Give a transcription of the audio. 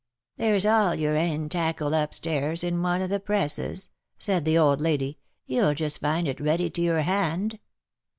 '^There's all your ain tackle upstairs in one o^ the presses/^ said the old lady ;" ye^ll just find it ready to your hand."